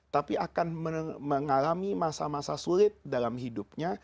tapi akan mengalami masa masa sulit dalam hidupnya